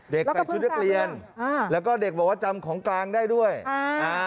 ใส่ชุดนักเรียนอ่าแล้วก็เด็กบอกว่าจำของกลางได้ด้วยอ่าอ่า